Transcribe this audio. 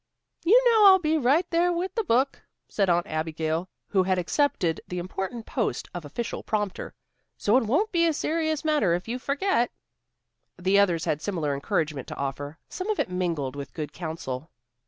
"You know I'll be right there with the book," said Aunt Abigail, who had accepted the important post of official prompter. "So it won't be a serious matter if you forget." The others had similar encouragement to offer, some of it mingled with good counsel.